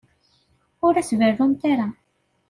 Ur as-berrumt ara.